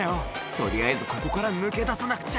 「取りあえずここから抜け出さなくちゃ」